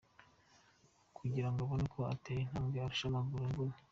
kugirango abone uko atera intambwe arushe amaguru imvura.